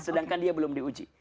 sedangkan dia belum diuji